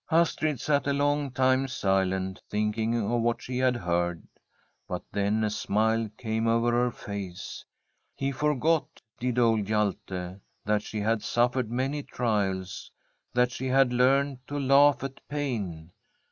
Astrid sat a long time silent, thinking of what she had heard. But then a smile came over her face. He forgot, did old Hjalte, that she had suffered many trials, that she had learnt to laugh [i9«] ASTRID at pain.